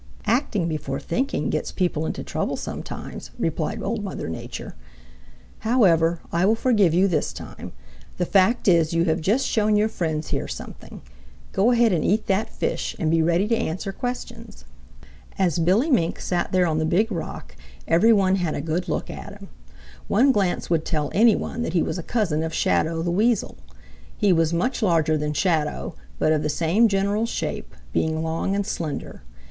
"Acting before thinking gets people into trouble sometimes," replied Old Mother Nature. "However, I will forgive you this time. The fact is you have just shown your friends here something. Go ahead and eat that fish and be ready to answer questions." As Billy Mink sat there on the Big Rock every one had a good look at him. One glance would tell any one that he was a cousin of Shadow the Weasel. He was much larger than Shadow, but of the same general shape, being long and slender.